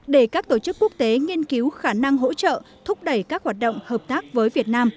để các tổ chức quốc tế nghiên cứu khả năng hỗ trợ thúc đẩy các hoạt động hợp tác với việt nam